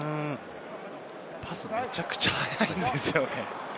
パス、めちゃくちゃ速いですよね。